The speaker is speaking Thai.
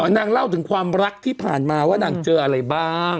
นางเล่าถึงความรักที่ผ่านมาว่านางเจออะไรบ้าง